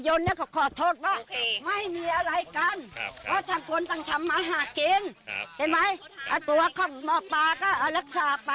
พรรดิครับ